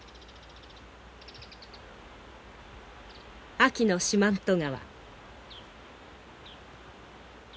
秋の四万十川。